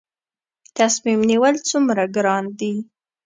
تصمیم نیول څومره ګران دي؟